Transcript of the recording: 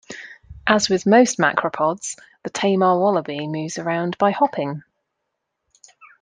As with most macropods, the tammar wallaby moves around by hopping.